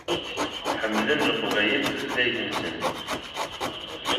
Ḥemmlen Leqbayel tutlayt-nsen.